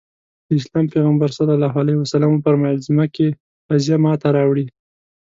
د اسلام پيغمبر ص وفرمايل ځمکې قضيه ماته راوړي.